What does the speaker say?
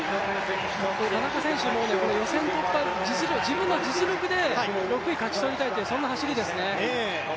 田中選手も予選突破自分の実力で６位を勝ち取りたいというそんな走りですね。